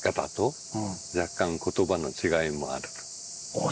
ああ